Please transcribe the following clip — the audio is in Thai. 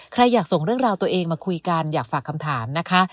ใครอยากส่งเรื่องราวตัวเองมาคุยกันอยากฝากคำถามนะคะ